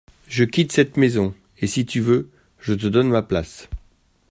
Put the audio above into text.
Je quitte cette maison, et, si tu veux, je te donne ma place.